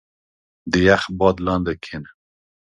• د یخ باد لاندې کښېنه.